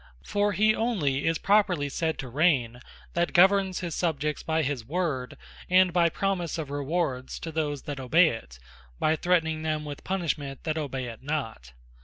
For he onely is properly said to Raigne, that governs his Subjects, by his Word, and by promise of Rewards to those that obey it, and by threatning them with Punishment that obey it not.